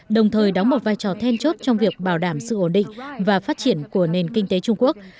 đồng thời đóng một vai trò then chốt trong việc bảo đảm sự ổn định và phát triển của nền kinh tế trung quốc